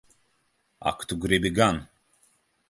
Ak tu gribi gan!